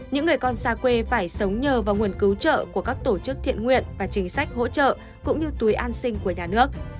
những người con xa quê phải sống nhờ vào nguồn cứu trợ của các tổ chức thiện nguyện và chính sách hỗ trợ cũng như túi an sinh của nhà nước